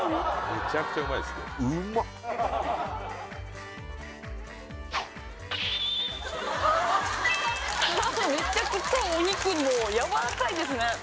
めちゃくちゃお肉もうやわらかいですね